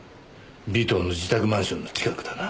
尾藤の自宅マンションの近くだな。